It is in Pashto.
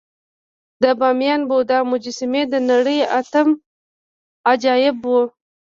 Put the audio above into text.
د بامیانو بودا مجسمې د نړۍ اتم عجایب وو